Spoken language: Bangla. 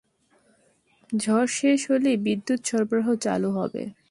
ঝড় শেষ হলেই বিদ্যুৎ সরবরাহ চালু হবে।